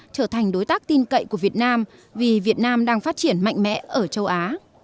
trở thành đối tác tin cậy của việt nam vì việt nam đang phát triển mạnh mẽ ở châu á